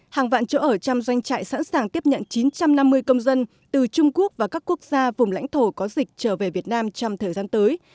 hàng vạn chỗ ở trong doanh trại sẵn sàng tiếp nhận chín trăm năm mươi công dân từ trung quốc và các quốc gia vùng lãnh thổ có dịch trở về việt nam trong thời gian tới